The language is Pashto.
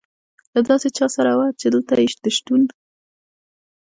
له داسې چا سره وه، چې دلته یې د شتون.